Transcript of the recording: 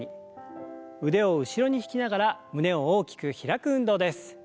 腕を後ろに引きながら胸を大きく開く運動です。